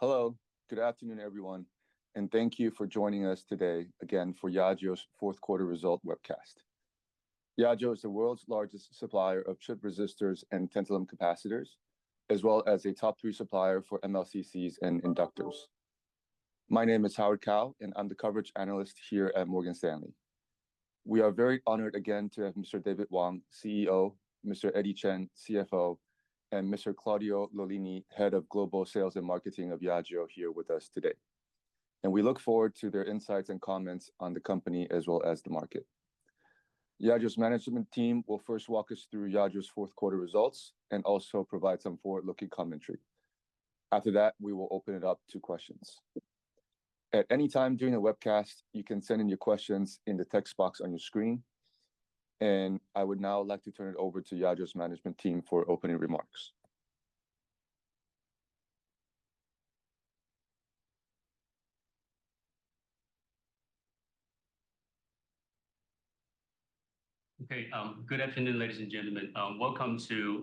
Hello. Good afternoon, everyone, and thank you for joining us today again for Yageo's fourth quarter result webcast. Yageo is the world's largest supplier of chip resistors and tantalum capacitors, as well as a top three supplier for MLCCs and inductors. My name is Howard Kao, and I'm the coverage analyst here at Morgan Stanley. We are very honored again to have Mr. David Wang, CEO, Mr. Eddie Chen, CFO, and Mr. Claudio Lollini, Head of Global Sales and Marketing of Yageo, here with us today. We look forward to their insights and comments on the company as well as the market. Yageo's management team will first walk us through Yageo's fourth quarter results and also provide some forward-looking commentary. After that, we will open it up to questions. At any time during the webcast, you can send in your questions in the text box on your screen. I would now like to turn it over to Yageo's management team for opening remarks. Good afternoon, ladies and gentlemen. Welcome to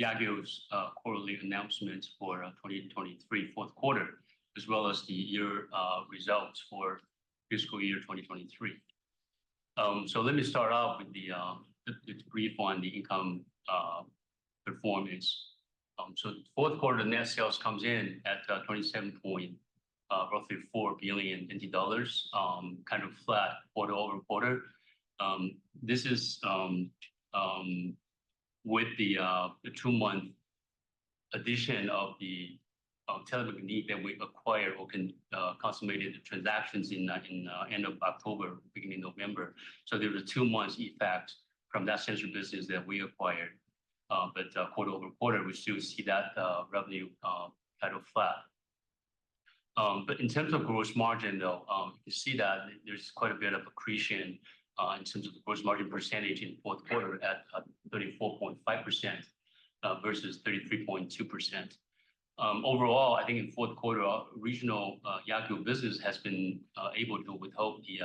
Yageo's quarterly announcement for 2023 fourth quarter, as well as the year results for fiscal year 2023. Let me start off with the brief on the income performance. Fourth quarter net sales comes in at roughly 27.4 billion dollars, kind of flat quarter-over-quarter. This is with the two-month addition of the Telemecanique that we acquired or consummated the transactions in end of October, beginning November. There was a two-month effect from that sensor business that we acquired. Quarter-over-quarter, we still see that revenue kind of flat. In terms of gross margin, though, you can see that there's quite a bit of accretion in terms of the gross margin percentage in fourth quarter at 34.5% versus 33.2%. Overall, I think in fourth quarter, regional Yageo business has been able to hold the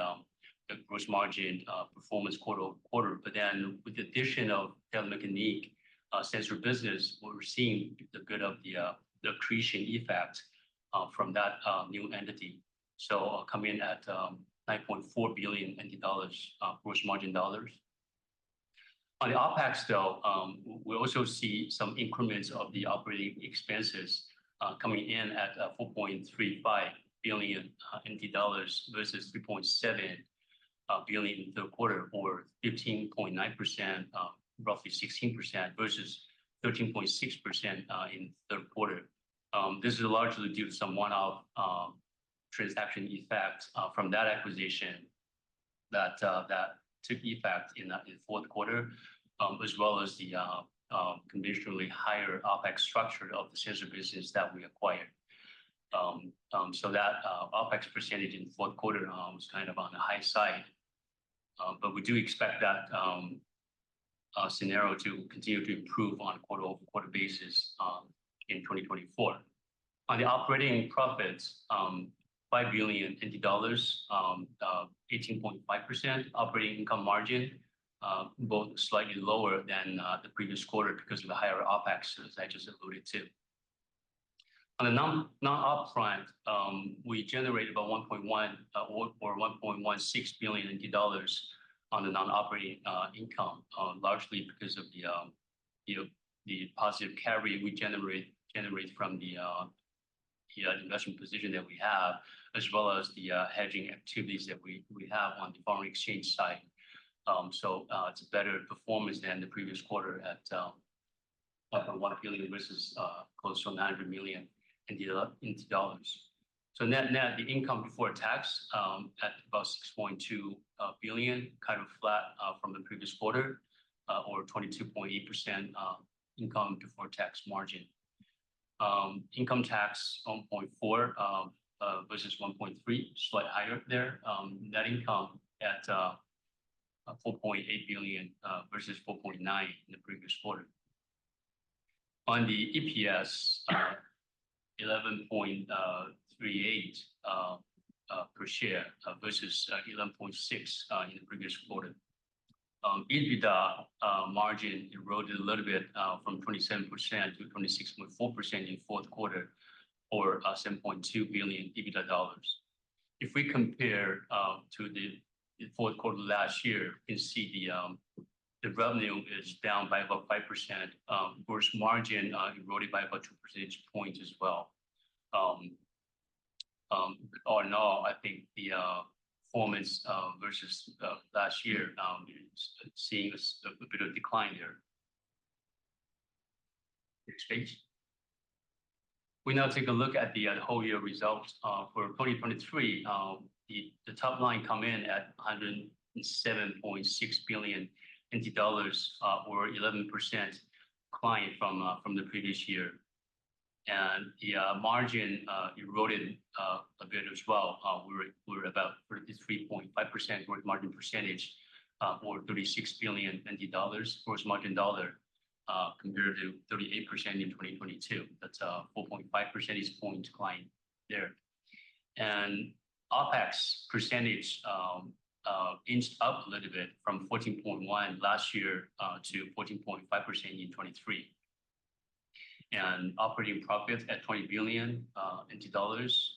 gross margin performance quarter-over-quarter. With the addition of Telemecanique Sensors business, we're seeing the good of the accretion effect from that new entity, so coming in at 9.4 billion NT dollars gross margin dollars. On the OpEx though, we also see some increments of the operating expenses, coming in at 4.35 billion NT dollars versus 3.7 billion third quarter or 15.9%, roughly 16% versus 13.6% in third quarter. This is largely due to some one-off transaction effect from that acquisition that took effect in the fourth quarter, as well as the conventionally higher OpEx structure of the sensor business that we acquired. That OpEx percentage in fourth quarter was kind of on the high side. We do expect that scenario to continue to improve on a quarter-over-quarter basis in 2024. On the operating profits, 5 billion, 18.5% operating income margin, both slightly lower than the previous quarter because of the higher OpEx as I just alluded to. On a non-op front, we generated about 1.1 billion or 1.16 billion dollars on the non-operating income, largely because of you know, the positive carry we generate from the investment position that we have, as well as the hedging activities that we have on the foreign exchange side. It's a better performance than the previous quarter, up from 1 billion versus close to 900 million dollars. Net-net, the income before tax at about 6.2 billion, kind of flat from the previous quarter, or 22.8% income before tax margin. Income tax 1.4 billion versus 1.3 billion, slight higher there. Net income at 4.8 billion versus 4.9 in the previous quarter. On the EPS, 11.38 per share versus 11.6 in the previous quarter. EBITDA margin eroded a little bit from 27% to 26.4% in fourth quarter or 7.2 billion EBITDA dollars. If we compare to the fourth quarter last year, you can see the revenue is down by about 5%, gross margin eroded by about two percentage points as well. All in all, I think the performance versus last year seeing a bit of decline there. Next page. We now take a look at the whole year results for 2023. The top line come in at 107.6 billion NT dollars or 11% decline from the previous year. The margin eroded a bit as well. We were about 33.5% gross margin percentage or 36 billion dollars gross margin dollar compared to 38% in 2022. That's a 4.5 percentage point decline there. OpEx percentage inched up a little bit from 14.1% last year to 14.5% in 2023. Operating profits at 20 billion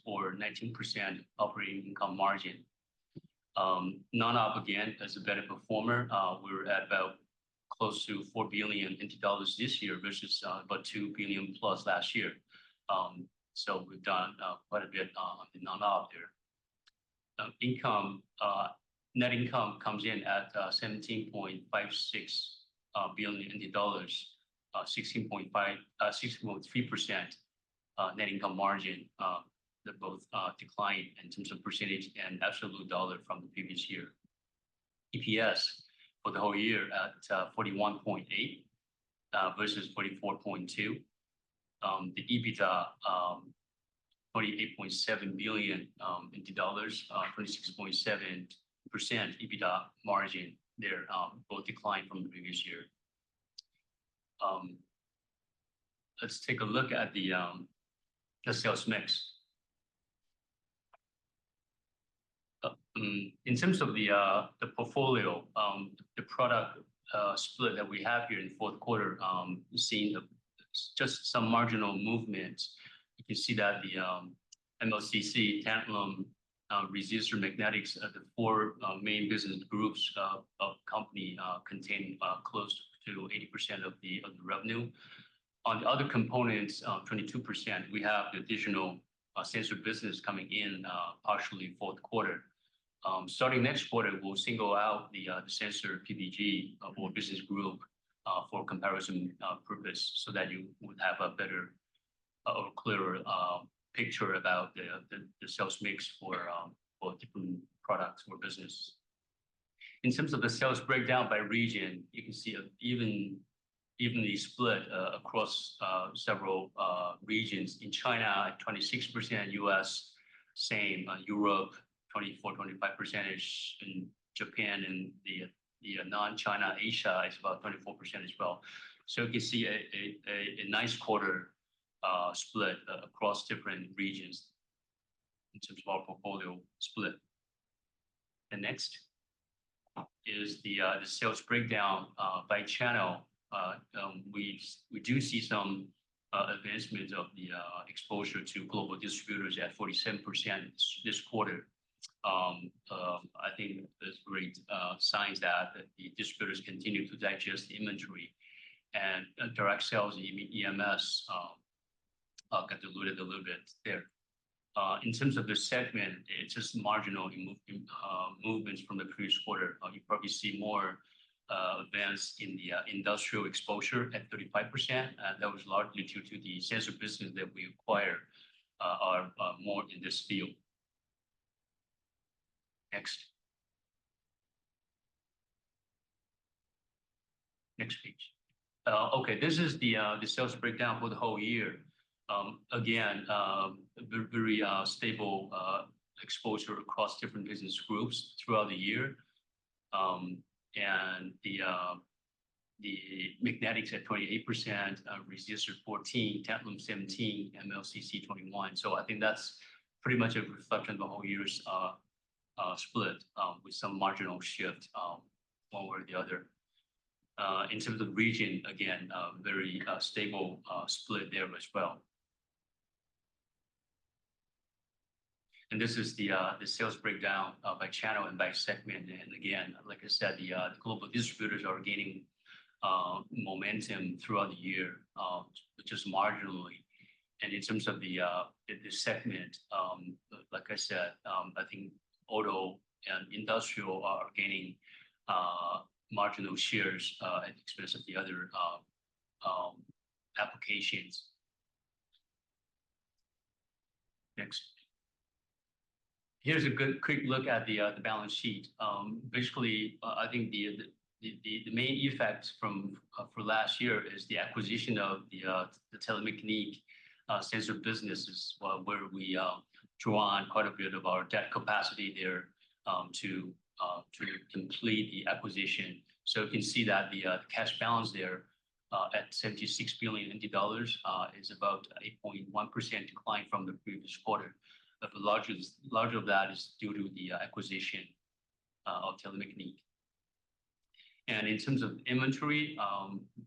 or 19% operating income margin. Non-op again as a better performer, we were at about close to 4 billion dollars this year versus about 2 billion plus last year. We've done quite a bit in non-op there. Income, net income comes in at 17.56 billion dollars, 16.3% net income margin that both declined in terms of percentage and absolute dollar from the previous year. EPS for the whole year at 41.8 versus 44.2. The EBITDA, 48.7 billion, 36.7% EBITDA margin there, both declined from the previous year. Let's take a look at the sales mix. In terms of the portfolio, the product split that we have here in fourth quarter, you're seeing just some marginal movement. You can see that the MLCC, tantalum, resistor, magnetics are the four main business groups of company containing close to 80% of the revenue. On other components, 22%, we have the additional sensor business coming in, partially fourth quarter. Starting next quarter, we'll single out the [Accessor] PBG for Business Group for comparison purpose so that you would have a better or clearer picture about the sales mix for different products or business. In terms of the sales breakdown by region, you can see an evenly split across several regions. In China, 26%, U.S. same, Europe 24%-25%, and Japan and the non-China Asia is about 24% as well. You can see a nice quarter split across different regions in terms of our portfolio split. The next is the sales breakdown by channel. We do see some advancement of the exposure to global distributors at 47% this quarter. I think that's great signs that the distributors continue to digest the inventory and direct sales EMS got diluted a little bit there. In terms of the segment, it's just marginal movements from the previous quarter. You probably see more advance in the industrial exposure at 35%, that was largely due to the sensor business that we acquired are more in this field. Next. Next page. Okay, this is the sales breakdown for the whole year. Again, very stable exposure across different business groups throughout the year. The magnetics at 28%, resistor 14%, tantalum 17%, MLCC 21%. I think that's pretty much a reflection of the whole year's split, with some marginal shift, one way or the other. In terms of region, again, very stable split there as well. This is the sales breakdown by channel and by segment. Again, like I said, the global distributors are gaining momentum throughout the year, just marginally. In terms of the segment, like I said, I think auto and industrial are gaining marginal shares at the expense of the other applications. Next. Here's a good quick look at the balance sheet. Basically, I think the main effect for last year is the acquisition of the Telemecanique sensor businesses, where we draw on quite a bit of our debt capacity there to complete the acquisition. You can see that the cash balance there at 76 billion dollars is about 8.1% decline from the previous quarter. The largest of that is due to the acquisition of Telemecanique. In terms of inventory,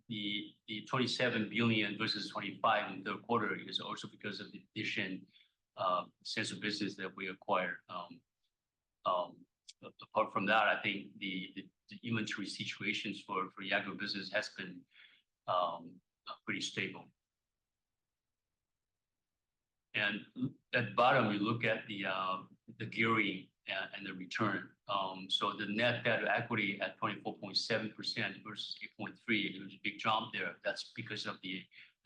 the 27 billion versus 25 billion in the third quarter is also because of the addition of the sensor business that we acquired. Apart from that, I think the inventory situations for Yageo business has been pretty stable. At the bottom, we look at the gearing and the return. The net debt to equity at 24.7% versus 8.3%, it was a big jump there. That's because of the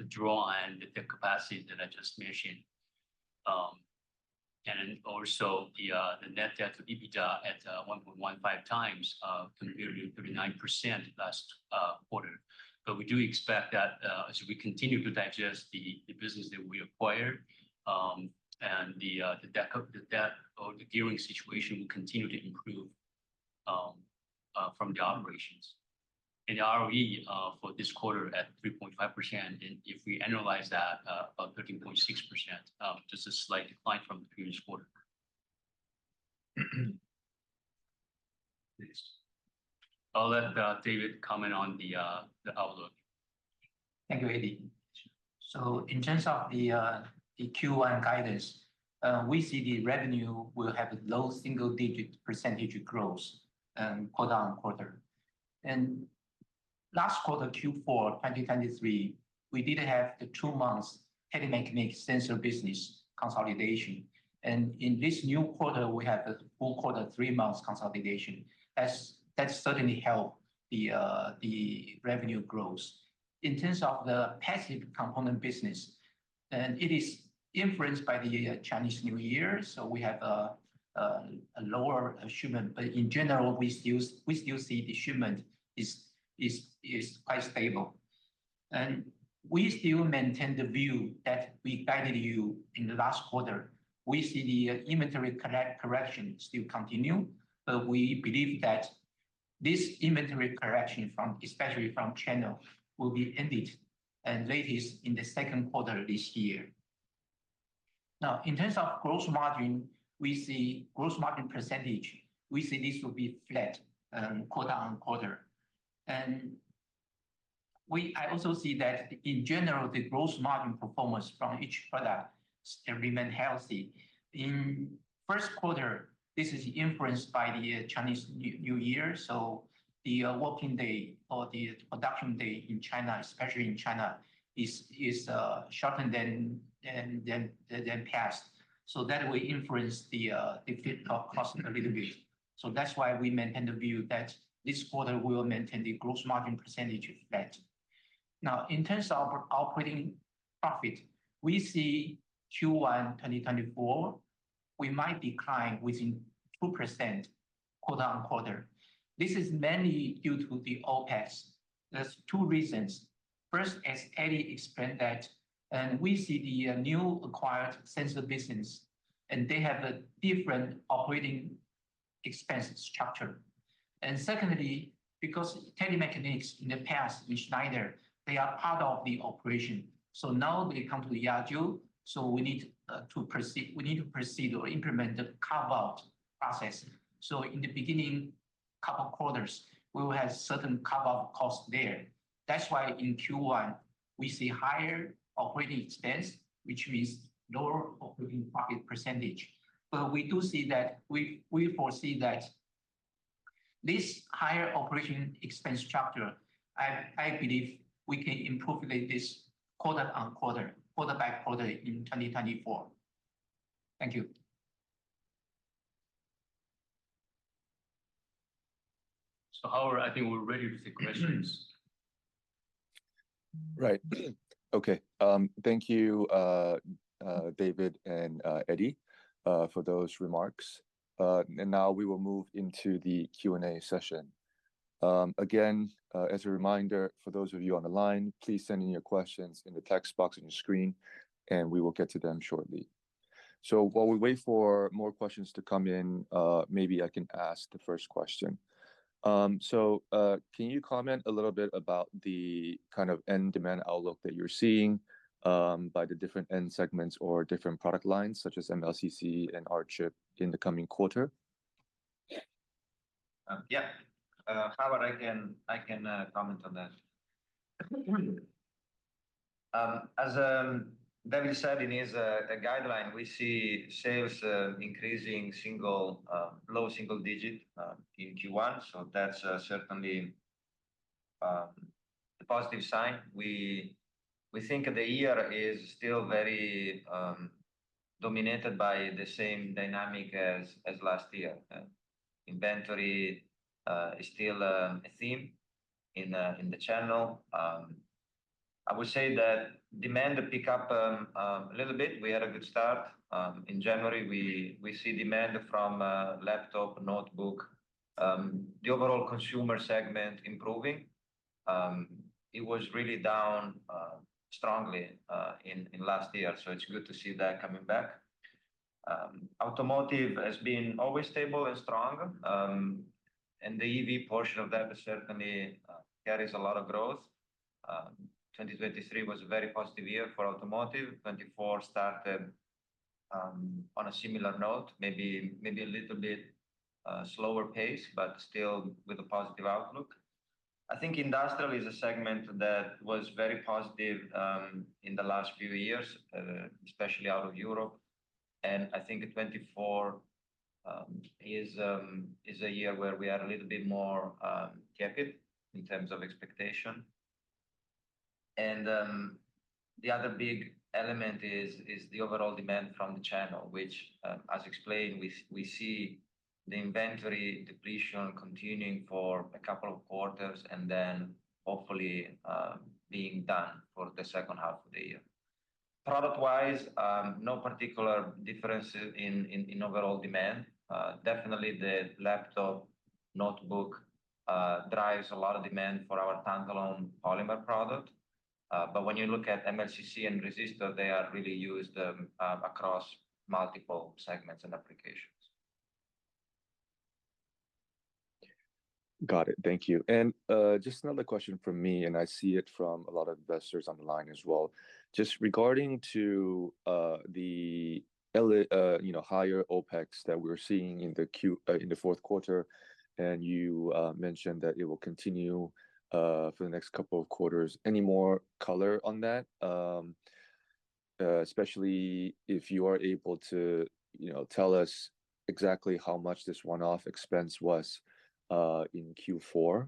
draw and the debt capacity that I just mentioned. Also the net debt to EBITDA at 1.15x compared to 39% last quarter. We do expect that as we continue to digest the business that we acquired and the debt or the gearing situation will continue to improve. From the operations. The ROE for this quarter at 3.5%, and if we annualize that, at 13.6%, just a slight decline from the previous quarter. I'll let David comment on the outlook. Thank you, Eddie. In terms of the Q1 guidance, we see the revenue will have low single-digit% growth, quarter-on-quarter. Last quarter, Q4 2023, we did have the two months Telemecanique Sensors business consolidation. In this new quarter, we have the full quarter, three months consolidation. That certainly helps the revenue growth. In terms of the passive component business, it is influenced by the Chinese New Year, so we have lower shipments. In general, we still see the shipments are quite stable. We still maintain the view that we guided you in the last quarter. We see the inventory correction still continues, but we believe that this inventory correction, especially from channel, will end at the latest in the second quarter of this year. Now, in terms of gross margin, we see gross margin percentage, we see this will be flat quarter-on-quarter. I also see that in general, the gross margin performance from each product still remain healthy. In first quarter, this is influenced by the Chinese New Year, so the working day or the production day in China, especially in China, is shorter than past. So that will influence the fixed cost a little bit. So that's why we maintain the view that this quarter we will maintain the gross margin percentage flat. Now, in terms of operating profit, we see Q1 2024, we might decline within 2% quarter-on-quarter. This is mainly due to the OpEx. There are two reasons. First, as Eddie explained that, and we see the new acquired sensor business, and they have a different operating expense structure. Secondly, because Telemecanique Sensors in the past with Schneider Electric, they are part of the operation. Now they come to Yageo, so we need to proceed or implement the carve-out process. In the beginning couple quarters, we will have certain carve-out costs there. That's why in Q1, we see higher operating expense, which means lower operating profit percentage. We do see that we foresee that this higher operating expense structure, I believe we can improve this quarter-on-quarter, quarter-by-quarter in 2024. Thank you. Howard, I think we're ready to take questions. Right. Okay. Thank you, David and Eddie, for those remarks. Now we will move into the Q&A session. Again, as a reminder for those of you on the line, please send in your questions in the text box on your screen, and we will get to them shortly. While we wait for more questions to come in, maybe I can ask the first question. Can you comment a little bit about the kind of end demand outlook that you're seeing by the different end segments or different product lines, such as MLCC and R-Chip in the coming quarter? Howard, I can comment on that. As David said, it is a guideline. We see sales increasing in low single digits in Q1. That's certainly a positive sign. We think the year is still very dominated by the same dynamic as last year. Inventory is still a theme in the channel. I would say that demand picks up a little bit. We had a good start. In January, we see demand from laptop, notebook, the overall consumer segment improving. It was really down strongly in last year, so it's good to see that coming back. Automotive has been always stable and strong, and the EV portion of that certainly carries a lot of growth. 2023 was a very positive year for automotive. 2024 started on a similar note, maybe a little bit slower pace, but still with a positive outlook. I think industrial is a segment that was very positive in the last few years, especially out of Europe. I think 2024 is a year where we are a little bit more capped in terms of expectation. The other big element is the overall demand from the channel, which, as explained, we see the inventory depletion continuing for a couple of quarters and then hopefully being done for the second half of the year. Product-wise, no particular difference in overall demand. Definitely the laptop, notebook, drives a lot of demand for our Polymer Capacitors product. When you look at MLCC and resistors, they are really used across multiple segments and applications. Got it. Thank you. Just another question from me, and I see it from a lot of investors online as well. Just regarding to you know higher OpEx that we're seeing in the fourth quarter, and you mentioned that it will continue for the next couple of quarters. Any more color on that? Especially if you are able to, you know, tell us exactly how much this one-off expense was in Q4,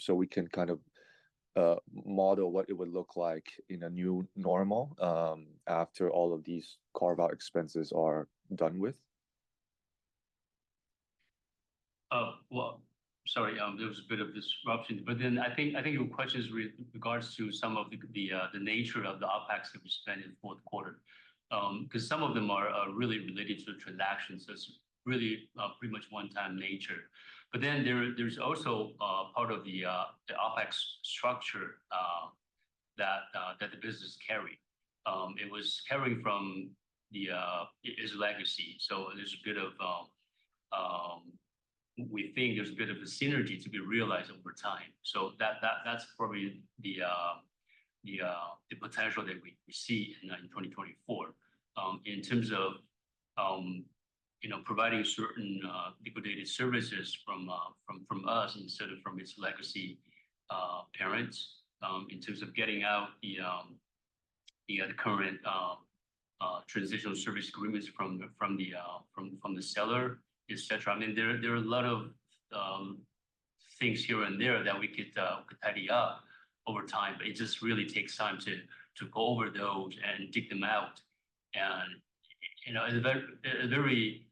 so we can kind of model what it would look like in a new normal after all of these carve-out expenses are done with. Well, sorry, there was a bit of disruption. I think your question is with regards to some of the nature of the OpEx that we spent in the fourth quarter. 'Cause some of them are really related to transactions, so it's really pretty much one-time nature. There's also part of the OpEx structure that the business carry. It was carrying from its legacy. We think there's a bit of a synergy to be realized over time. That's probably the potential that we see in 2024. In terms of, you know, providing certain logistics services from us instead of from its legacy parents, in terms of getting out the current transitional service agreements from the seller, et cetera. I mean, there are a lot of things here and there that we could tidy up over time, but it just really takes time to go over those and dig them out. You know, a very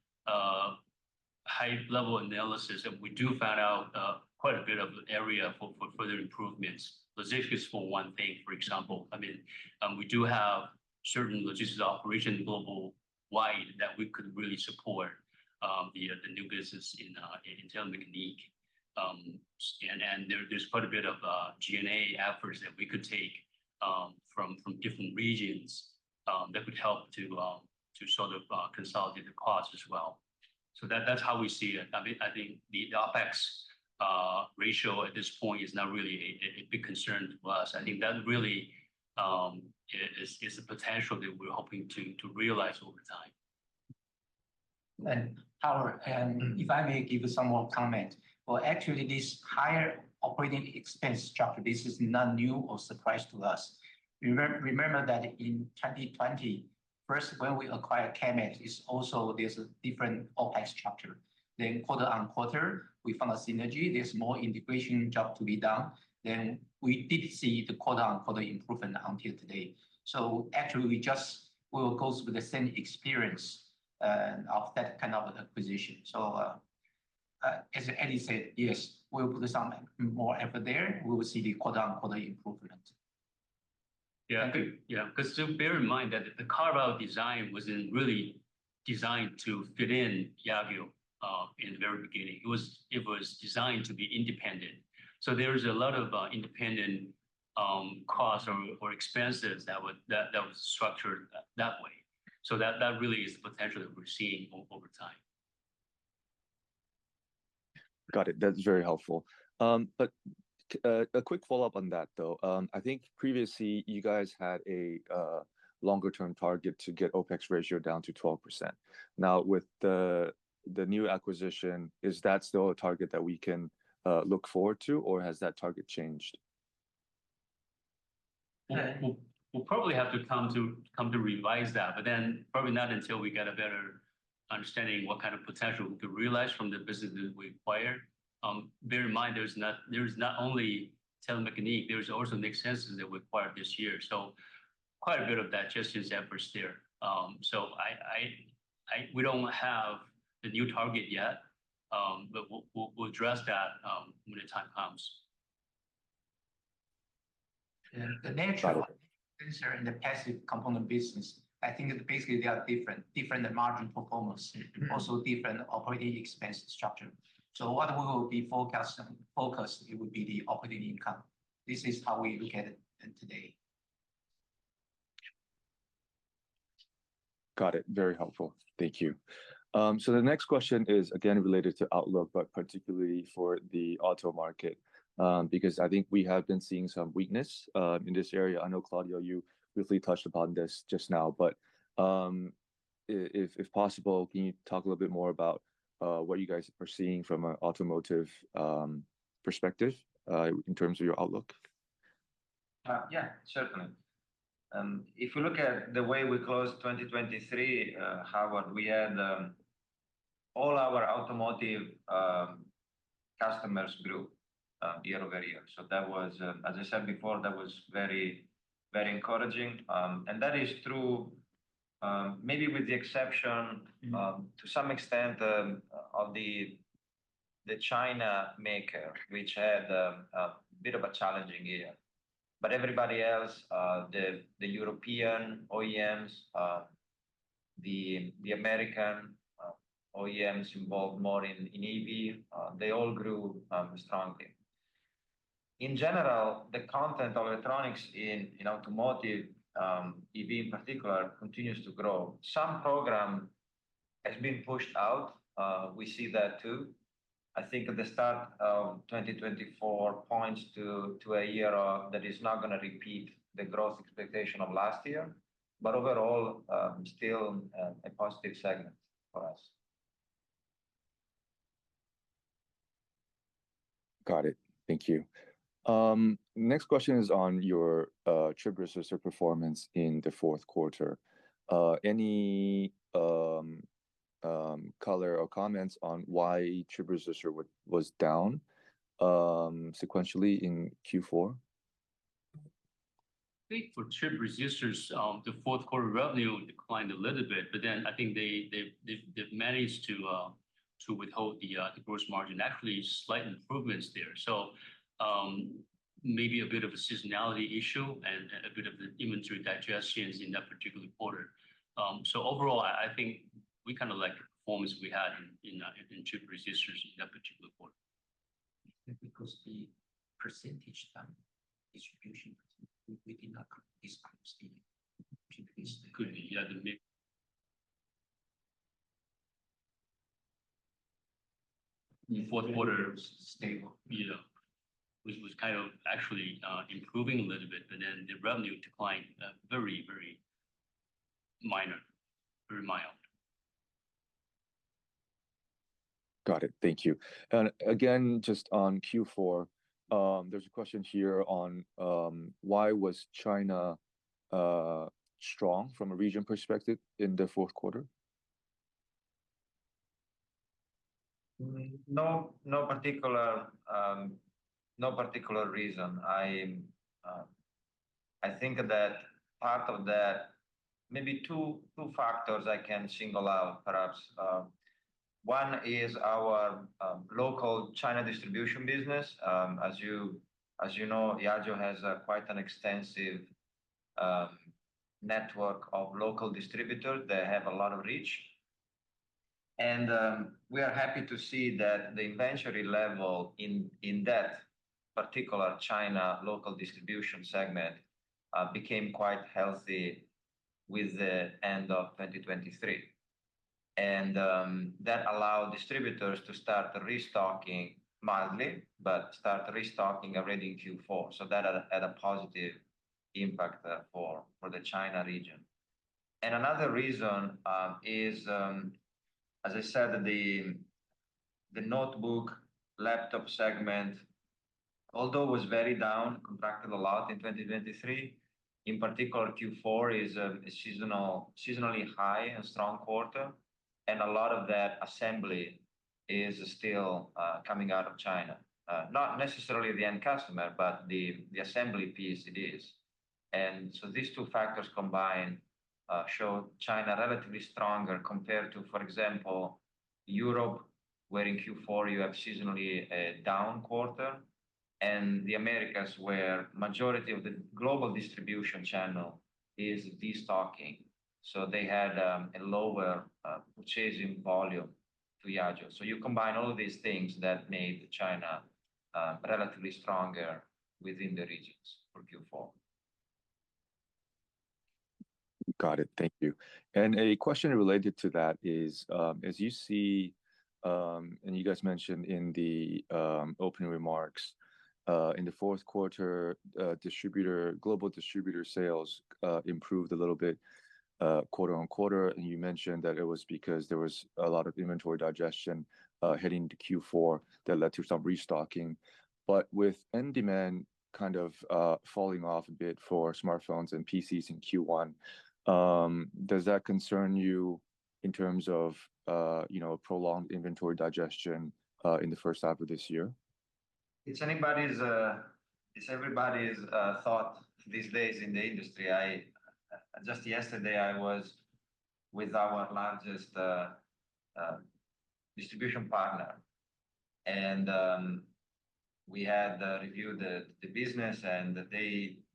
high level analysis, and we do find out quite a bit of area for further improvements. Logistics, for one thing, for example. I mean, we do have certain logistics operation worldwide that we could really support, the new business in Telemecanique. There's quite a bit of G&A efforts that we could take from different regions that would help to sort of consolidate the costs as well. That's how we see it. I mean, I think the OpEx ratio at this point is not really a big concern to us. I think that really it is a potential that we're hoping to realize over time. Howard, if I may give you some more comment. Well, actually this higher operating expense structure, this is not new or surprise to us. Remember that in 2020, first when we acquired KEMET, it also has a different OpEx structure. Quarter-over-quarter, we found a synergy, there is more integration job to be done. We did see the quarter-over-quarter improvement until today. Actually, we just will go through the same experience of that kind of acquisition. As Eddie said, yes, we will put some more effort there. We will see the quarter-over-quarter improvement. Yeah. I think, yeah. 'Cause still bear in mind that the carve-out design wasn't really designed to fit in Yageo in the very beginning. It was designed to be independent. There is a lot of independent costs or expenses that was structured that way. That really is the potential that we're seeing over time. Got it. That's very helpful. A quick follow-up on that, though. I think previously you guys had a longer-term target to get OpEx ratio down to 12%. Now, with the new acquisition, is that still a target that we can look forward to, or has that target changed? We'll probably have to come to revise that, but probably not until we get a better understanding what kind of potential we could realize from the business that we acquired. Bear in mind, there's not only Telemecanique, there's also Nexensos that we acquired this year. Quite a bit of digestion efforts there. We don't have the new target yet, but we'll address that when the time comes. The nature of the business in the passive component business, I think basically they are different margin performance. Also different operating expense structure. What we will be forecast-focused, it would be the operating income. This is how we look at it today. Got it. Very helpful. Thank you. The next question is again related to outlook, but particularly for the auto market, because I think we have been seeing some weakness in this area. I know, Claudio, you briefly touched upon this just now, but if possible, can you talk a little bit more about what you guys are seeing from an automotive perspective in terms of your outlook? Yeah, certainly. If you look at the way we closed 2023, Howard, we had all our automotive customers grew year over year. That was, as I said before, very encouraging. That is through maybe with the exception to some extent of the China market, which had a bit of a challenging year. Everybody else, the European OEM, the American OEM involved more in EV, they all grew strongly. In general, the content of electronics in automotive, EV in particular, continues to grow. Some program has been pushed out, we see that too. I think at the start of 2024 points to a year that is not gonna repeat the growth expectation of last year. Overall, still a positive segment for us. Got it. Thank you. Next question is on your chip resistor performance in the fourth quarter. Any color or comments on why chip resistor was down sequentially in Q4? I think for chip resistors, the fourth quarter revenue declined a little bit, but then I think they've managed to uphold the gross margin. Actually, slight improvements there. Maybe a bit of a seasonality issue and a bit of the inventory digestion in that particular quarter. Overall, I think we kinda like the performance we had in chip resistors in that particular quarter. Is that because the percentage distribution within that could be? Could be, yeah. The fourth quarter. Stable Yeah. Was kind of actually improving a little bit, but then the revenue declined very minor, very mild. Got it. Thank you. Just on Q4, there's a question here on why was China strong from a region perspective in the fourth quarter? No particular reason. I think that part of that, maybe two factors I can single out perhaps. One is our local China distribution business. As you know, Yageo has quite an extensive network of local distributors. They have a lot of reach. We are happy to see that the inventory level in that particular China local distribution segment became quite healthy with the end of 2023. That allowed distributors to start restocking mildly, but start restocking already in Q4. That had a positive impact for the China region. Another reason is, as I said, the notebook laptop segment, although was very down, contracted a lot in 2023, in particular Q4 is a seasonal high and strong quarter, and a lot of that assembly is still coming out of China. Not necessarily the end customer, but the assembly piece it is. These two factors combined show China relatively stronger compared to, for example, Europe, where in Q4 you have seasonally a down quarter, and the Americas, where majority of the global distribution channel is destocking. They had a lower purchasing volume to Yageo. You combine all of these things that made China relatively stronger within the regions for Q4. Got it. Thank you. A question related to that is, as you see, and you guys mentioned in the opening remarks, in the fourth quarter, global distributor sales improved a little bit, quarter-over-quarter. You mentioned that it was because there was a lot of inventory digestion heading to Q4 that led to some restocking. With end demand kind of falling off a bit for smartphones and PCs in Q1, does that concern you in terms of you know, prolonged inventory digestion in the first half of this year? It's everybody's thought these days in the industry. Just yesterday I was with our largest distribution partner, and we had reviewed the business and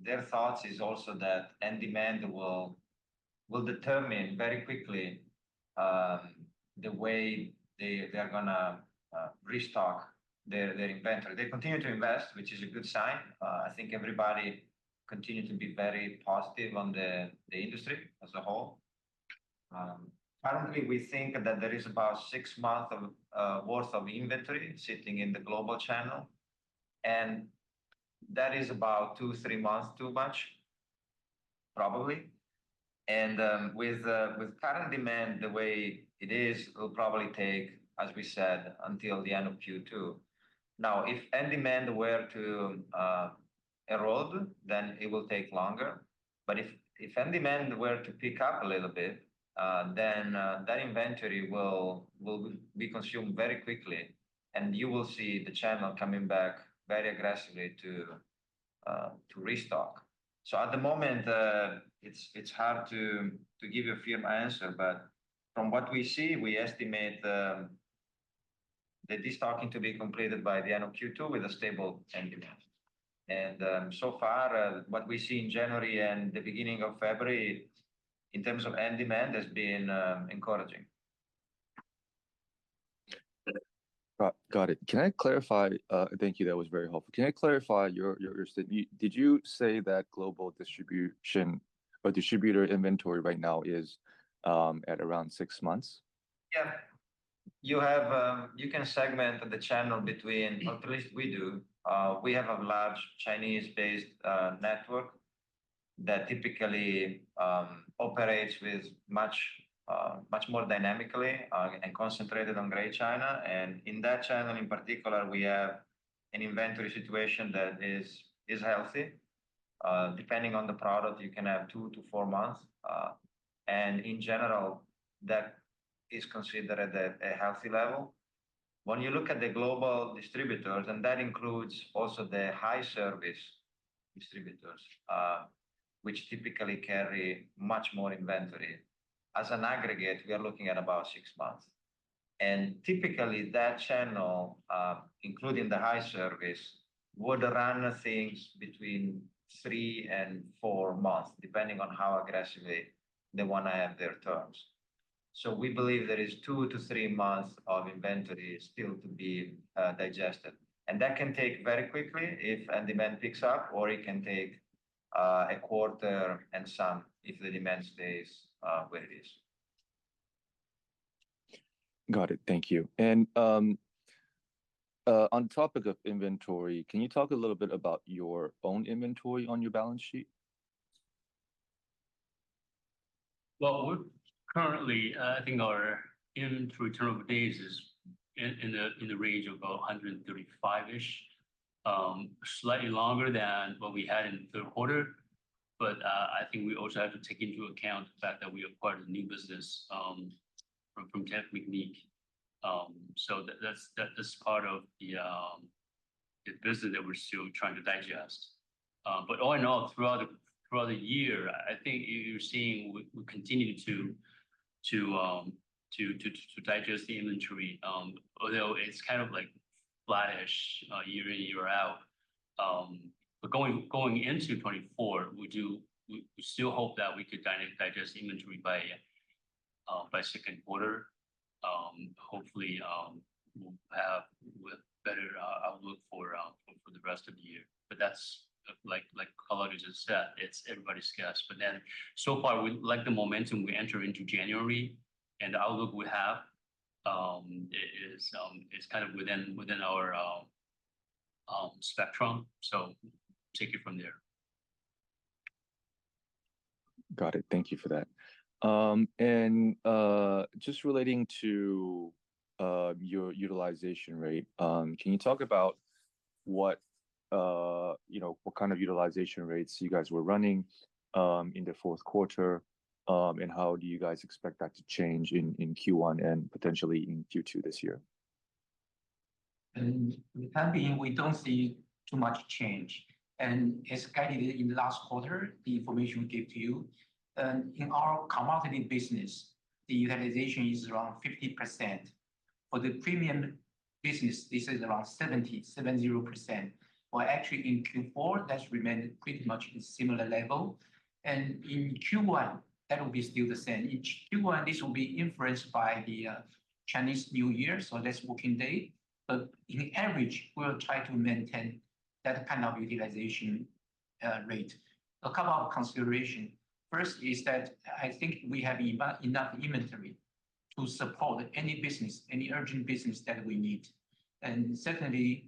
their thoughts are also that end demand will determine very quickly the way they're gonna restock their inventory. They continue to invest, which is a good sign. I think everybody continue to be very positive on the industry as a whole. Currently, we think that there is about six months worth of inventory sitting in the global channel, and that is about two, three months too much, probably. With current demand the way it is, it'll probably take, as we said, until the end of Q2. Now, if end demand were to erode, then it will take longer. If end demand were to pick up a little bit, then that inventory will be consumed very quickly and you will see the channel coming back very aggressively to restock. At the moment, it's hard to give you a firm answer, but from what we see, we estimate. The destocking to be completed by the end of Q2 with a stable end demand. So far, what we see in January and the beginning of February in terms of end demand has been encouraging. Got it. Can I clarify? Thank you. That was very helpful. Can I clarify? Did you say that global distribution or distributor inventory right now is at around six months? Yeah. You can segment the channel between, or at least we do. We have a large Chinese-based network that typically operates with much more dynamically and concentrated on Greater China. In that channel in particular, we have an inventory situation that is healthy. Depending on the product, you can have two-four months. In general, that is considered a healthy level. When you look at the global distributors, and that includes also the high-service distributors, which typically carry much more inventory, as an aggregate, we are looking at about six months. Typically that channel, including the high-service, would run things between three-four months, depending on how aggressively they wanna have their terms. We believe there is two-three months of inventory still to be digested. That can take very quickly if end demand picks up, or it can take a quarter and some if the demand stays where it is. Got it. Thank you. On topic of inventory, can you talk a little bit about your own inventory on your balance sheet? We're currently, I think our inventory turnover days is in the range of 135-ish, slightly longer than what we had in third quarter. I think we also have to take into account the fact that we acquired a new business from TE Connectivity. That's part of the business that we're still trying to digest. All in all, throughout the year, I think you're seeing we continue to digest the inventory, although it's kind of like flattish year in year out. Going into 2024, we still hope that we could digest inventory by second quarter. Hopefully, we'll have with better outlook for the rest of the year. That's like Claudio just said, it's everybody's guess. So far, we like the momentum we enter into January, and the outlook we have is kind of within our spectrum. Take it from there. Got it. Thank you for that. Just relating to your utilization rate, can you talk about what you know, what kind of utilization rates you guys were running in the fourth quarter? How do you guys expect that to change in Q1 and potentially in Q2 this year? With that being, we don't see too much change. As guided in the last quarter, the information we gave to you, in our commodity business, the utilization is around 50%. For the premium business, this is around 70%. Well, actually, in Q4, that remained pretty much in similar level. In Q1, that will be still the same. In Q1, this will be influenced by the Chinese New Year, so less working day. But in average, we'll try to maintain that kind of utilization rate. A couple of consideration. First is that I think we have enough inventory to support any business, any urgent business that we need. Secondly,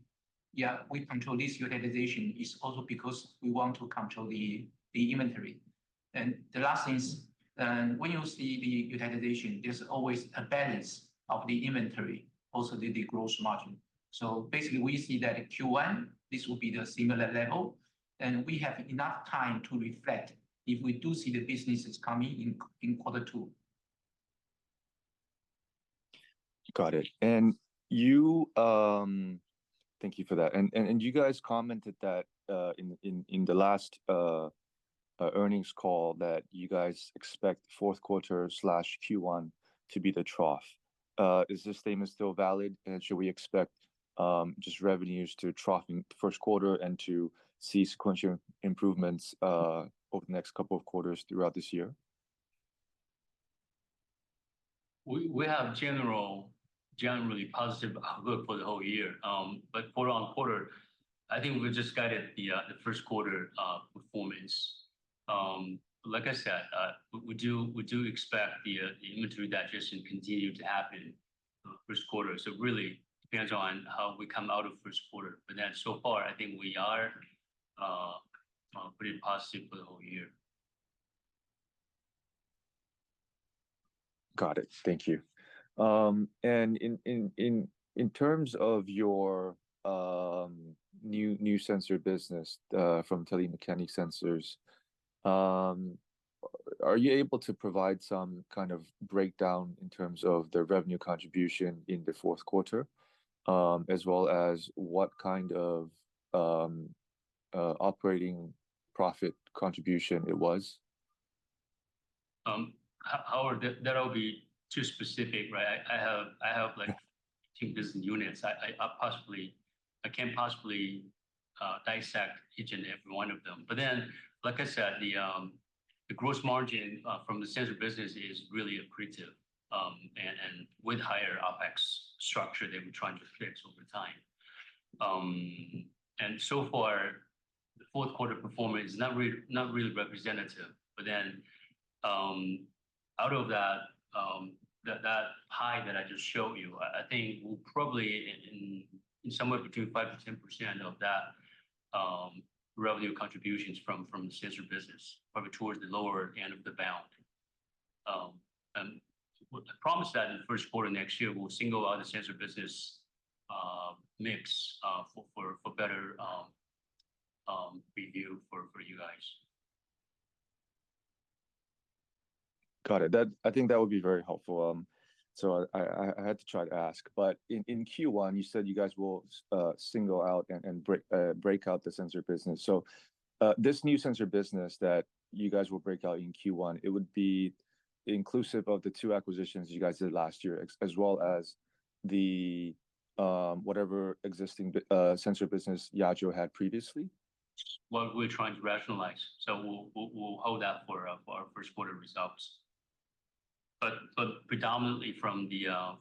yeah, we control this utilization is also because we want to control the inventory. The last is, when you see the utilization, there's always a balance of the inventory, also the gross margin. Basically, we see that in Q1, this will be the similar level, and we have enough time to reflect if we do see the businesses coming in quarter two. Got it. Thank you for that. You guys commented that in the last earnings call that you guys expect fourth quarter/Q1 to be the trough. Is this statement still valid? Should we expect just revenues to trough in the first quarter and to see sequential improvements over the next couple of quarters throughout this year? We have generally positive outlook for the whole year. Quarter-on-quarter, I think we just guided the first quarter performance. Like I said, we do expect the inventory digestion continue to happen first quarter. Really depends on how we come out of first quarter. Then so far, I think we are pretty positive for the whole year. Got it. Thank you. In terms of your new sensor business from Telemecanique Sensors, are you able to provide some kind of breakdown in terms of their revenue contribution in the fourth quarter? As well as what kind of operating profit contribution it was? That'll be too specific, right? I have like two business units. I possibly I can't possibly dissect each and every one of them. Like I said, the gross margin from the sensor business is really accretive, and with higher OpEx structure that we're trying to fix over time. The fourth quarter performance is not really representative. Out of that pie that I just showed you, I think probably somewhere between 5%-10% of that revenue contribution is from the sensor business, probably towards the lower end of the bound. What I promise that in the first quarter next year, we'll single out the sensor business mix for better view for you guys. Got it. I think that would be very helpful. I had to try to ask. In Q1, you said you guys will single out and break out the sensor business. This new sensor business that you guys will break out in Q1, it would be inclusive of the two acquisitions you guys did last year, as well as the whatever existing sensor business Yageo had previously? Well, we're trying to rationalize, so we'll hold that for our first quarter results. Predominantly from the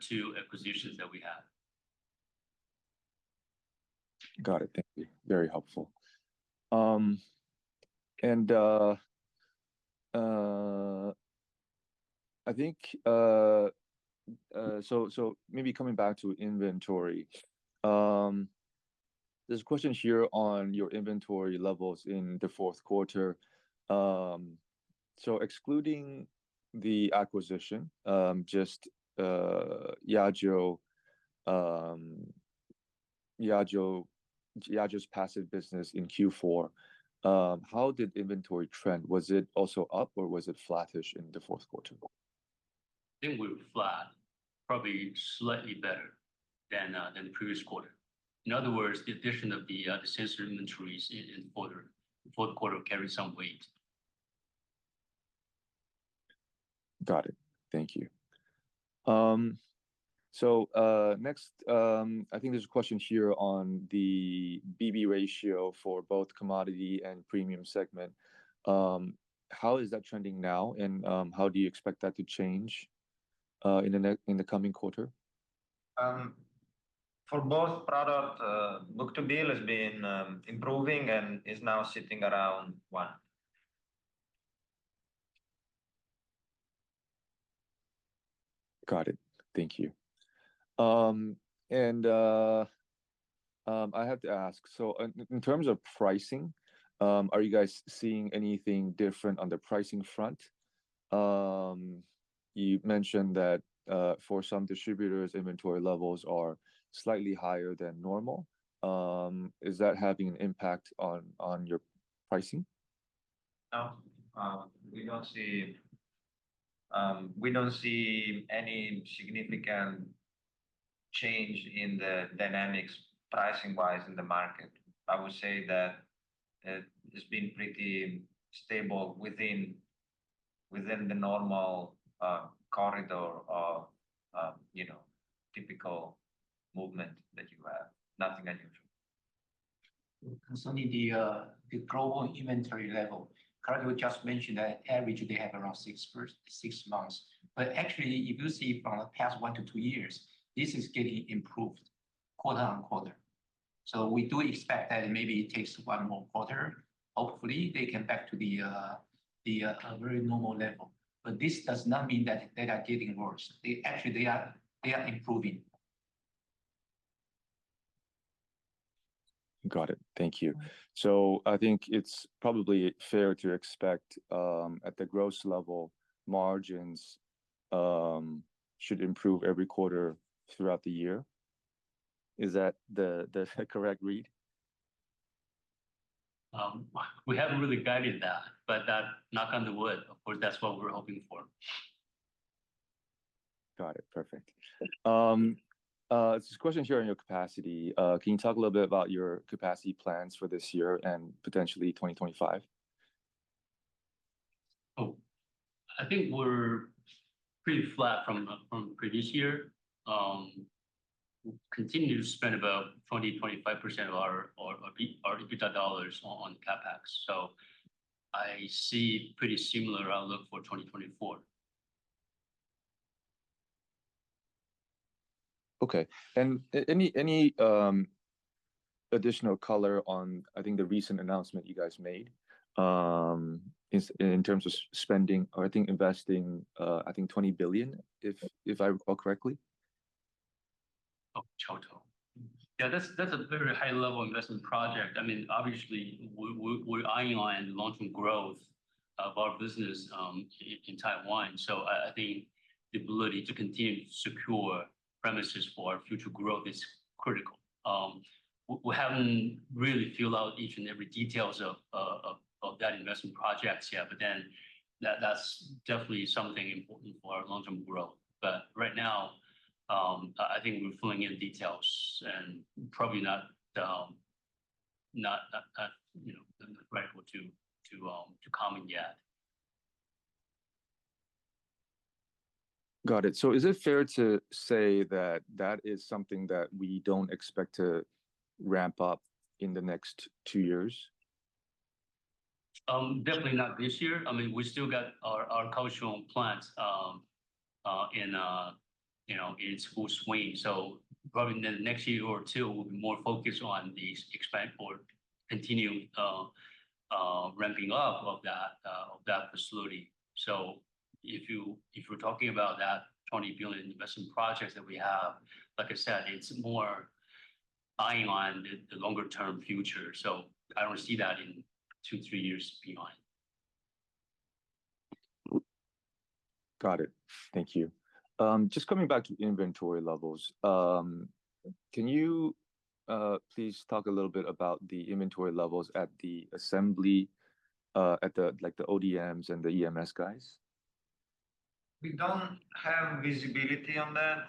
two acquisitions that we have. Got it. Thank you. Very helpful. I think maybe coming back to inventory. There's a question here on your inventory levels in the fourth quarter. Excluding the acquisition, just Yageo's passive business in Q4, how did inventory trend? Was it also up, or was it flattish in the fourth quarter? I think we were flat, probably slightly better than the previous quarter. In other words, the addition of the sensor inventories in the quarter, the fourth quarter carried some weight. Got it. Thank you. Next, I think there's a question here on the BB ratio for both commodity and premium segment. How is that trending now, and how do you expect that to change in the coming quarter? For both product, book-to-bill has been improving and is now sitting around one. Got it. Thank you. I have to ask, in terms of pricing, are you guys seeing anything different on the pricing front? You mentioned that, for some distributors, inventory levels are slightly higher than normal. Is that having an impact on your pricing? No. We don't see any significant change in the dynamics pricing-wise in the market. I would say that it has been pretty stable within the normal corridor of, you know, typical movement that you have. Nothing unusual. Concerning the global inventory level, Claudio just mentioned that on average they have around six months. Actually, if you see from the past one to two years, this is getting improved quarter-over-quarter. We do expect that maybe it takes one more quarter. Hopefully, they come back to the very normal level. This does not mean that they are getting worse. They actually are improving. Got it. Thank you. I think it's probably fair to expect, at the gross level, margins, should improve every quarter throughout the year. Is that the correct read? We haven't really guided that, but that, knock on wood, of course, that's what we're hoping for. Got it. Perfect. There's a question here on your capacity. Can you talk a little bit about your capacity plans for this year and potentially 2025? Oh, I think we're pretty flat from previous year. We continue to spend about 20%-25% of our EBITDA dollars on CapEx. I see pretty similar outlook for 2024. Okay. Any additional color on, I think, the recent announcement you guys made, in terms of spending or I think investing, I think 20 billion, if I recall correctly? Oh, Caotun. Yeah, that's a very high-level investment project. I mean, obviously, we're eyeing on long-term growth of our business in Taiwan. I think the ability to continue to secure premises for our future growth is critical. We haven't really filled out each and every details of that investment projects yet, but that's definitely something important for our long-term growth. Right now, I think we're filling in details and probably not right to comment yet. Got it. Is it fair to say that that is something that we don't expect to ramp up in the next two years? Definitely not this year. I mean, we still got our cultural plans, you know, in full swing. Probably in the next year or two, we'll be more focused on the expansion or continued ramping up of that facility. If we're talking about that 20 billion investment projects that we have, like I said, it's more eyeing on the longer-term future. I don't see that in two, three years beyond. Got it. Thank you. Just coming back to inventory levels. Can you please talk a little bit about the inventory levels at the assembly, at the, like the ODM and the EMS guys? We don't have visibility on that,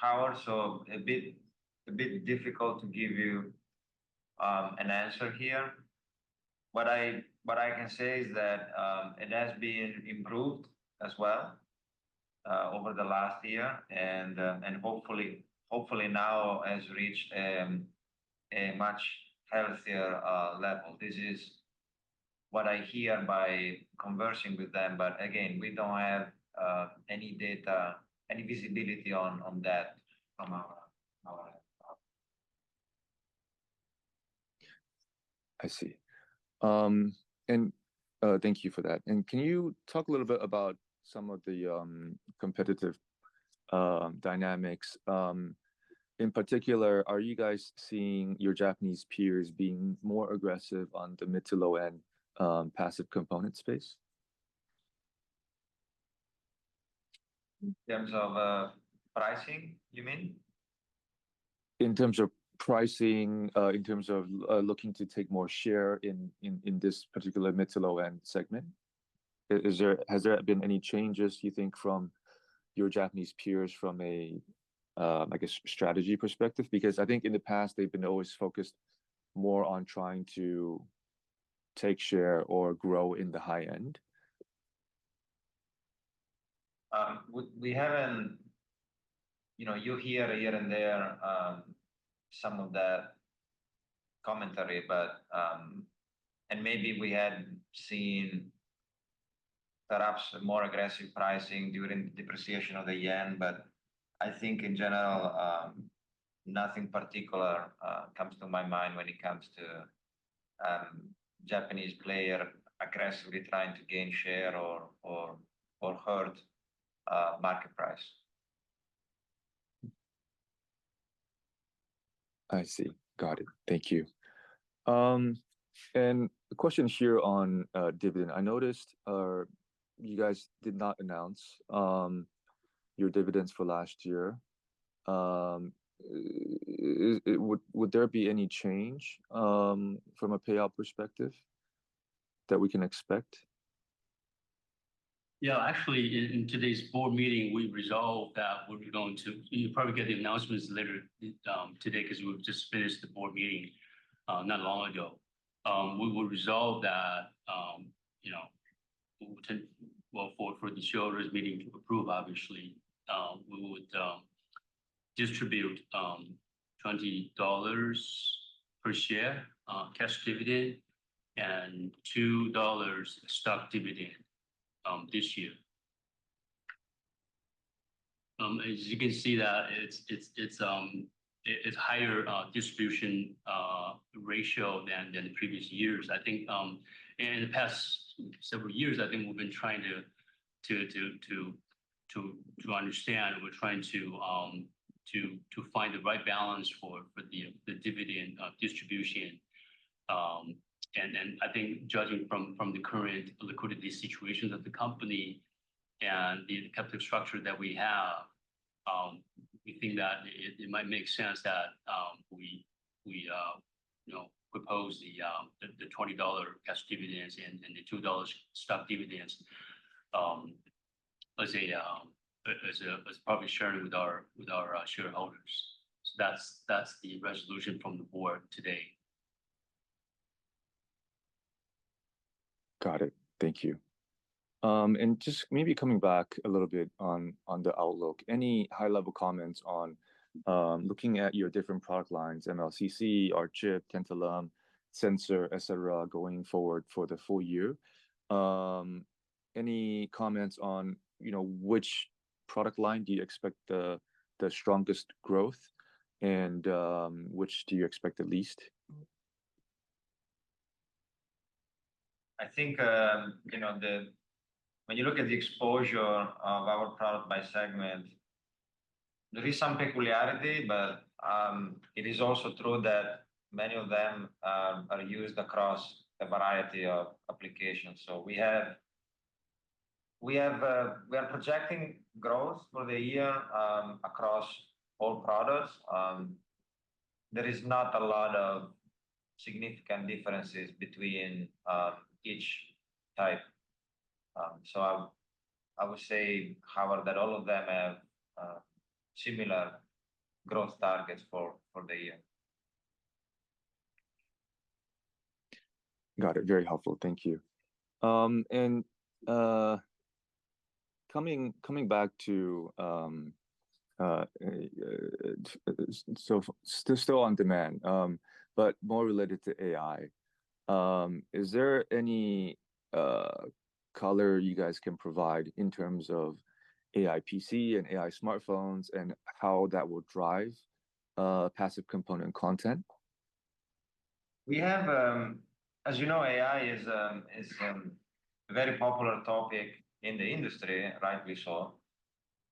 Howard, so a bit difficult to give you an answer here. What I can say is that it has been improved as well over the last year and hopefully now has reached a much healthier level. This is what I hear by conversing with them. Again, we don't have any data, any visibility on that from our end. I see. Thank you for that. Can you talk a little bit about some of the competitive dynamics? In particular, are you guys seeing your Japanese peers being more aggressive on the mid to low end passive component space? In terms of pricing, you mean? In terms of pricing, looking to take more share in this particular mid-to-low-end segment. Has there been any changes you think from your Japanese peers from a, I guess, strategy perspective? Because I think in the past, they've been always focused more on trying to take share or grow in the high end. We haven't. You know, you hear here and there some of that commentary, but and maybe we had seen perhaps more aggressive pricing during the depreciation of the yen. I think in general, nothing particular comes to my mind when it comes to Japanese player aggressively trying to gain share or hurt market price. I see. Got it. Thank you. A question here on dividend. I noticed you guys did not announce your dividends for last year. Would there be any change from a payout perspective that we can expect? Yeah. Actually, in today's board meeting, we resolved that we're going to. You'll probably get the announcements later today because we've just finished the board meeting not long ago. We will resolve that, you know, well, for the shareholders meeting to approve obviously, we would distribute 20 dollars per share cash dividend and 2 dollars stock dividend this year. As you can see that it is higher distribution ratio than the previous years. I think in the past several years, I think we've been trying to understand, we're trying to find the right balance for the dividend distribution. I think judging from the current liquidity situation of the company and the capital structure that we have, we think that it might make sense that we, you know, propose the 20 dollar cash dividends and the 2 dollars stock dividends, let's say, as probably sharing with our shareholders. That's the resolution from the board today. Got it. Thank you. Just maybe coming back a little bit on the outlook. Any high-level comments on looking at your different product lines, MLCC, R-Chip, tantalum, sensor, et cetera, going forward for the full year. Any comments on, you know, which product line do you expect the strongest growth and which do you expect the least? I think, you know, when you look at the exposure of our product by segment, there is some peculiarity, but it is also true that many of them are used across a variety of applications. We are projecting growth for the year across all products. There is not a lot of significant differences between each type. I would say, Howard, that all of them have similar growth targets for the year. Got it. Very helpful. Thank you. Coming back to, still on demand, but more related to AI. Is there any color you guys can provide in terms of AI PC and AI smartphones and how that will drive passive component content? We have. As you know, AI is a very popular topic in the industry, rightly so,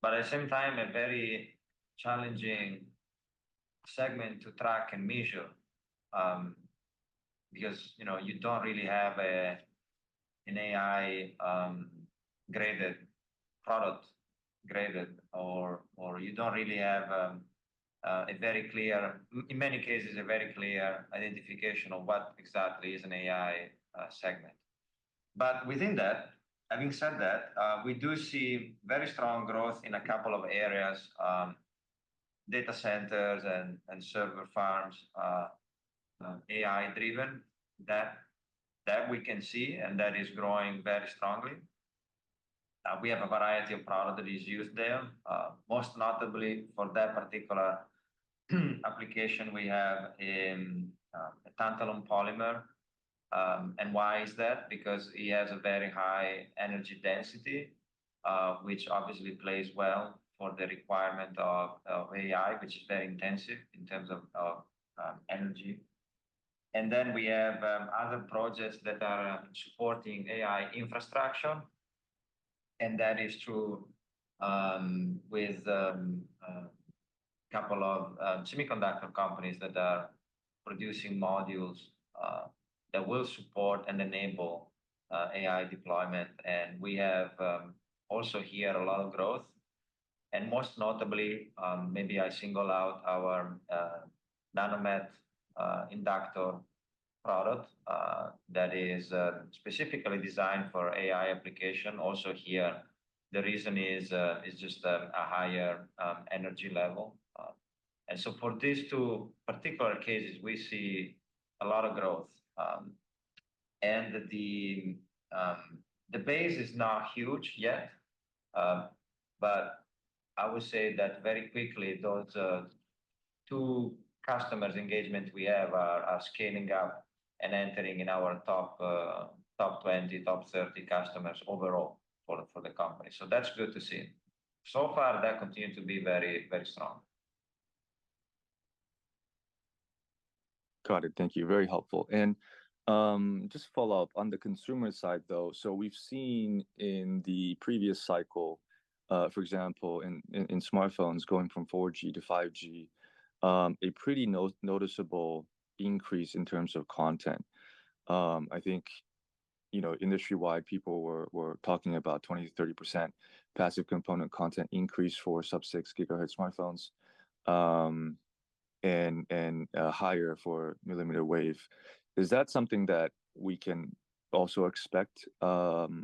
but at the same time, a very challenging segment to track and measure, because, you know, you don't really have a, an AI graded product or you don't really have a very clear, in many cases, a very clear identification of what exactly is an AI segment. Within that, having said that, we do see very strong growth in a couple of areas, data centers and server farms, AI driven. That we can see, and that is growing very strongly. We have a variety of products that is used there. Most notably for that particular application we have a tantalum polymer. Why is that? Because it has a very high energy density, which obviously plays well for the requirement of AI, which is very intensive in terms of energy. We have other projects that are supporting AI infrastructure, and that is through with a couple of semiconductor companies that are producing modules that will support and enable AI deployment. We have also here a lot of growth. Most notably, maybe I single out our Nanomet inductor product that is specifically designed for AI application. Also here, the reason is just a higher energy level. For these two particular cases, we see a lot of growth. The base is not huge yet, but I would say that very quickly, those two customer engagements we have are scaling up and entering in our top 20, top 30 customers overall for the company. That's good to see. So far, that continue to be very, very strong. Got it. Thank you. Very helpful. Just follow up on the consumer side, though. We've seen in the previous cycle, for example, in smartphones going from 4G to 5G, a pretty noticeable increase in terms of content. I think, you know, industry-wide people were talking about 20%-30% passive component content increase for sub-6 GHz smartphones, and higher for millimeter wave. Is that something that we can also expect for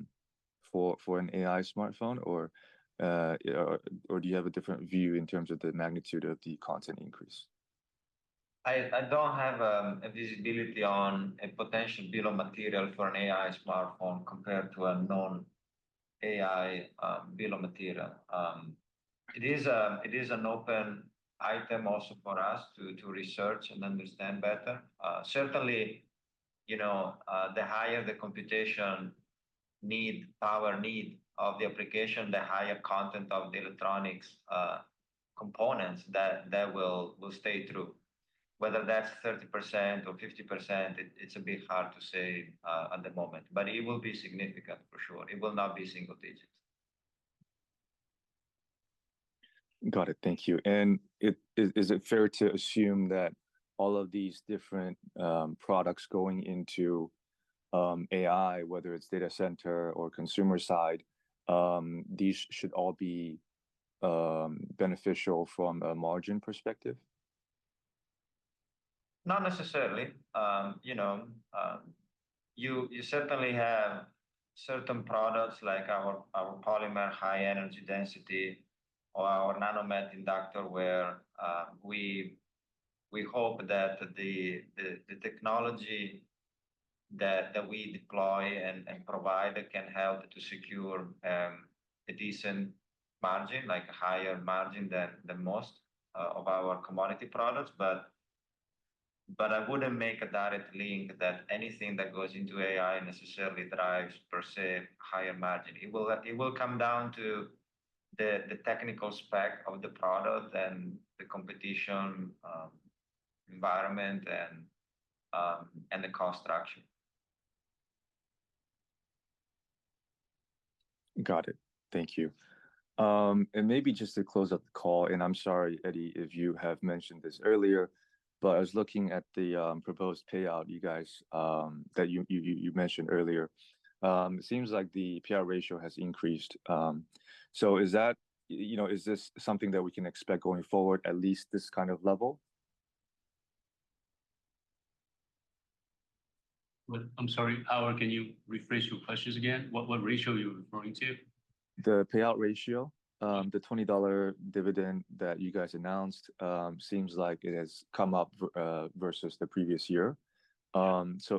an AI smartphone or do you have a different view in terms of the magnitude of the content increase? I don't have a visibility on a potential bill of materials for an AI smartphone compared to a non-AI bill of materials. It is an open item also for us to research and understand better. Certainly, you know, the higher the computation need, power need of the application, the higher content of the electronics components that will stay true. Whether that's 30% or 50%, it's a bit hard to say at the moment, but it will be significant for sure. It will not be single digits. Got it. Thank you. Is it fair to assume that all of these different products going into AI, whether it's data center or consumer side, these should all be beneficial from a margin perspective? Not necessarily. You know, you certainly have certain products like our polymer high energy density or our Nanomet inductor where we hope that the technology that we deploy and provide can help to secure a decent margin, like higher margin than most of our commodity products. But I wouldn't make a direct link that anything that goes into AI necessarily drives per se higher margin. It will come down to the technical spec of the product and the competitive environment and the cost structure. Got it. Thank you. Maybe just to close up the call, and I'm sorry, Eddie, if you have mentioned this earlier, but I was looking at the proposed payout you guys mentioned earlier. It seems like the payout ratio has increased. You know, is this something that we can expect going forward, at least this kind of level? Well, I'm sorry, Howard, can you rephrase your questions again? What ratio are you referring to? The payout ratio. The $20 dividend that you guys announced seems like it has come up versus the previous year.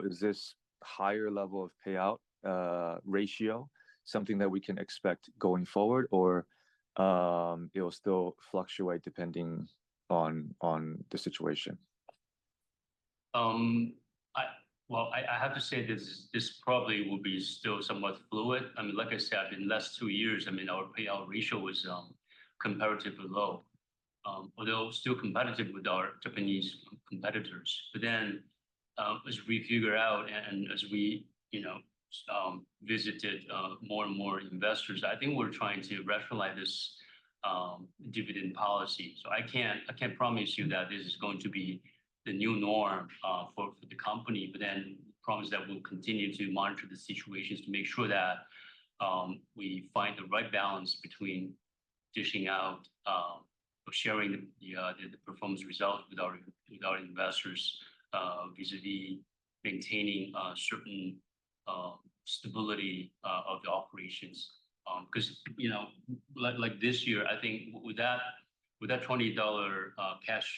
Is this higher level of payout ratio something that we can expect going forward or it will still fluctuate depending on the situation? Well, I have to say this probably will be still somewhat fluid. I mean, like I said, in last two years, I mean, our payout ratio was comparatively low. Although still competitive with our Japanese competitors, as we figure out and as we, you know, visited more and more investors, I think we're trying to rationalize this dividend policy. I can't promise you that this is going to be the new norm for the company but then promise that we'll continue to monitor the situations to make sure that we find the right balance between dishing out or sharing the performance result with our investors vis-a-vis maintaining certain stability of the operations. Because, you know, like this year, I think with that 20 dollar cash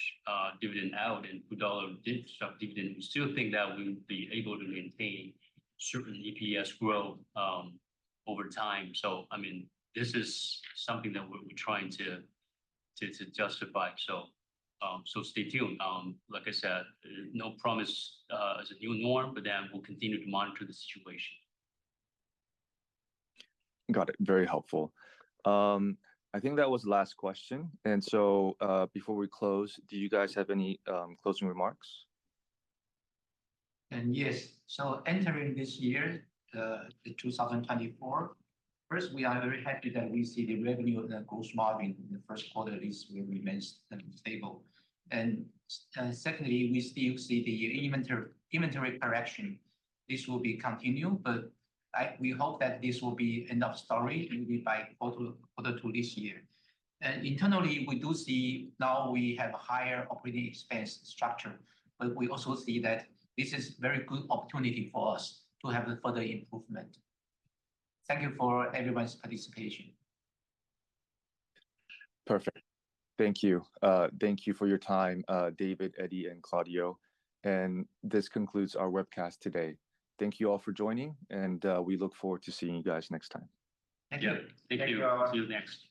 dividend out and 2 dollar stock dividend, we still think that we'll be able to maintain certain EPS growth over time. I mean, this is something that we're trying to justify. Stay tuned. Like I said, no promise as a new norm. We'll continue to monitor the situation. Got it. Very helpful. I think that was the last question. Before we close, do you guys have any closing remarks? Entering this year, 2024, first, we are very happy that we see the revenue and the gross margin in the first quarter at least will remains stable. Secondly, we still see the inventory correction. This will be continue but we hope that this will be end of story, maybe by quarter two this year. Internally, we do see now we have higher operating expense structure, but we also see that this is very good opportunity for us to have a further improvement. Thank you for everyone's participation. Perfect. Thank you. Thank you for your time, David, Eddie, and Claudio. This concludes our webcast today. Thank you all for joining, and we look forward to seeing you guys next time. Thank you. Yeah. Thank you. See you next.